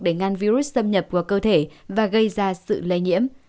để ngăn virus xâm nhập vào cơ thể và gây ra sự lây nhiễm